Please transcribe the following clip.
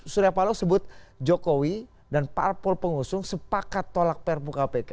surya palu sebut jokowi dan pak pol pengusung sepakat tolak prpk pk